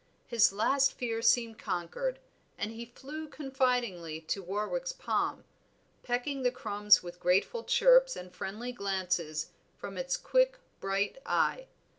His last fear seemed conquered, and he flew confidingly to Warwick's palm, pecking the crumbs with grateful chirps and friendly glances from its quick, bright eye.